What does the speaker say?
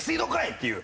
っていう。